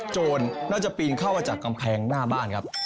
โจรน่าจะปีนเข้ามาจากกำแพงหน้าบ้านครับ